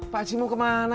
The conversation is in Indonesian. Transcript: pak aji mau kemana